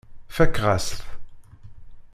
Fakeɣ-as-t.